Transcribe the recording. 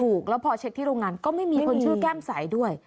ถูกแล้วพอเช็คที่โรงงานก็ไม่มีคนชื่อแก้มใสด้วย